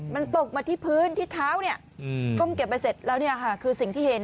มันตกมาที่พื้นที่เท้าเนี่ยก้มเก็บไปเสร็จแล้วเนี่ยค่ะคือสิ่งที่เห็น